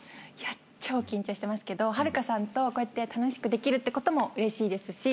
超緊張してますけどはるかさんと楽しくできるってこともうれしいですし。